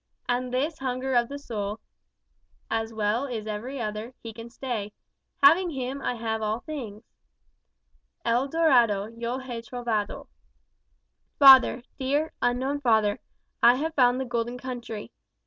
And this hunger of the soul, as well is every other, He can stay. Having him, I have all things. "El Dorado Yo hé trovado." Father, dear, unknown father, I have round the golden country.